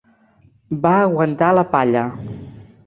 Va aguantar la palla.